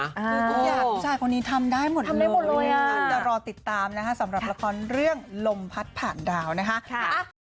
อยากผู้ชายคนนี้ทำได้หมดเลยอยากรอติดตามสำหรับละครเรื่องลมพัดผ่านดาวนะ